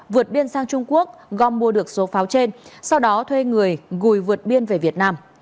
vượt biên sang trung quốc gom mua được số pháo trên sau đó thuê người gùi vượt biên về việt nam